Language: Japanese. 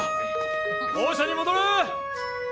校舎に戻れっ！